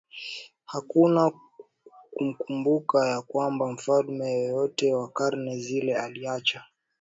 hakuna kumbukumbu ya kwamba mfalme yeyote wa karne zile aliacha